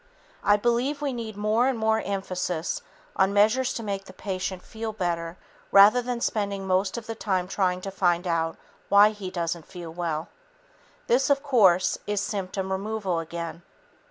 I believe we need more and more emphasis on measures to make the patient feel better rather than spending most of the time trying to find out why he doesn't feel well. This, of course, is symptom removal again.